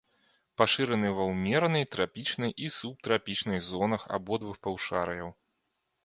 Пашыраны ва ўмеранай, трапічнай і субтрапічнай зонах абодвух паўшар'яў.